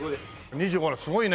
２５すごいね。